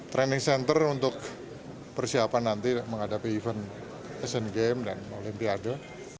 training center untuk persiapan nanti menghadapi event asian games dan olimpiade